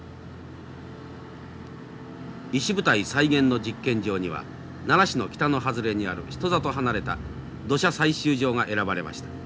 石舞台再現の実験場には奈良市の北の外れにある人里離れた土砂採集場が選ばれました。